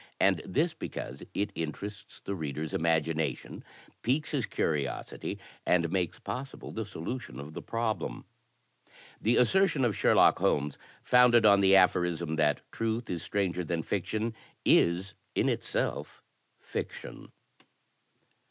And this, because it interests the reader's imagination, piques his curiosity and makes possible the solution of the problem. THE DETECTIVE 73 The assertion of Sherlock Holmes founded on the aphorism that truth is stranger than fiction is in itself fiction.